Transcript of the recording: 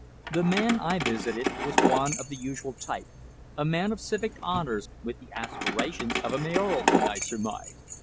The man I visited was one of the usual type, a man of civic honours, with the aspirations of a mayoralty, I surmised.